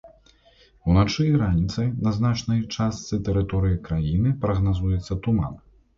Уначы і раніцай на значнай частцы тэрыторыі краіны прагназуецца туман.